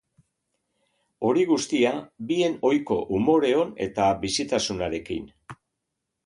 Hori guztia, bien ohiko umore on eta bizitasunarekin.